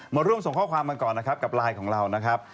มาร่วมส่งข้อความมาก่อนนะครับกับไลน์ของเรานะครับ